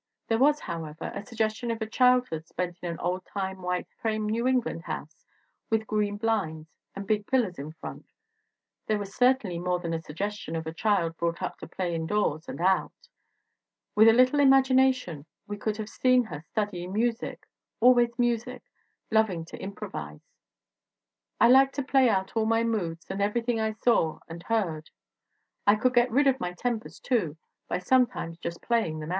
There was, however, a suggestion of a childhood spent in an oldtime white frame New England house, with green blinds and big pillars in front. There was certainly more than a suggestion of a child brought up to play indoors and out. With a little imagination we could have seen her studying music, always music, loving to improvise. "I liked to play out all my moods and everything I saw and heard. I could get rid of my tempers, too, by sometimes just playing them out.